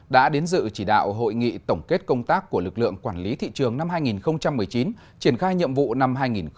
đã đến dự chỉ đạo hội nghị tổng kết công tác của lực lượng quản lý thị trường năm hai nghìn một mươi chín triển khai nhiệm vụ năm hai nghìn hai mươi